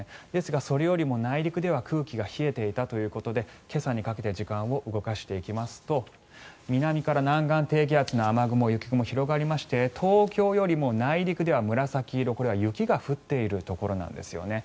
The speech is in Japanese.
ですが、それよりも内陸では空気が冷えていたということで今朝にかけて時間を動かしていきますと南から南岸低気圧の雨雲、雪雲が広がりまして東京よりも内陸では紫色これは雪が降っているところなんです。